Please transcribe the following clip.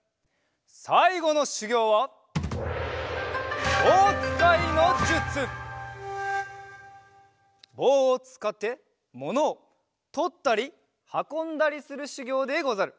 さいごのしゅぎょうはぼうをつかってものをとったりはこんだりするしゅぎょうでござる。